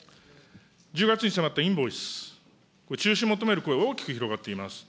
１０月に迫ったインボイス、これ、中止を求める声、大きく広がっています。